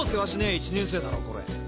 １年生だろコレ。